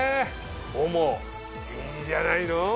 ＯＭＯいいんじゃないの！